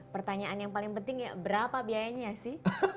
pertanyaan yang paling penting ya berapa biayanya sih